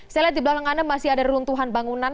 saya lihat di belakang anda masih ada runtuhan bangunan